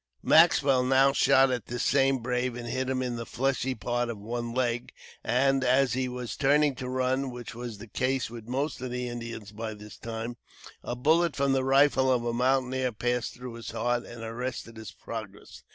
Maxwell now shot at this same brave and hit him in the fleshy part of one leg; and, as he was turning to run, which was the case with most of the Indians by this time, a bullet from the rifle of a mountaineer passed through his heart and arrested his progress.